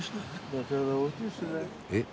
えっ？